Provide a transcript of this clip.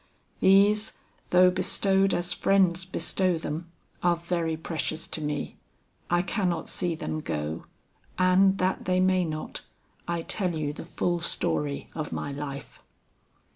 These, though bestowed as friends bestow them, are very precious to me; I cannot see them go, and that they may not, I tell you the full story of my life.